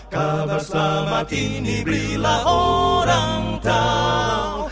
kabar selamat ini berilah orang tahu